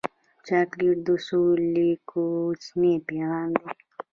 چاکلېټ د سولې کوچنی پیغام دی.